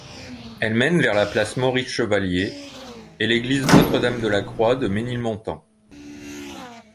Elle mène vers la place Maurice-Chevalier et l'église Notre-Dame-de-la-Croix de Ménilmontant.